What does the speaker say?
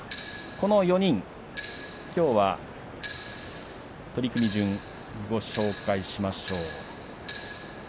この４人、きょうは取組順にご紹介しましょう。